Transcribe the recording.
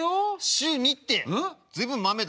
週２って随分マメだな。